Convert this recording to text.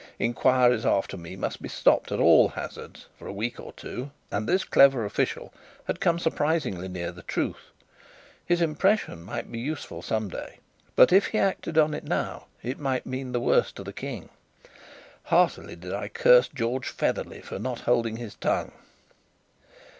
Enquiries after me must be stopped at all hazards for a week or two; and this clever official had come surprisingly near the truth. His impression might be useful some day, but if he acted on it now it might mean the worse to the King. Heartily did I curse George Featherly for not holding his tongue.